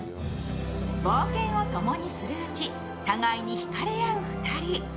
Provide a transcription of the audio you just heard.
冒険をともにするうち、互いにひかれ合う２人。